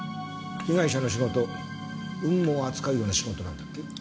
被害者の仕事雲母を扱うような仕事なんだっけ？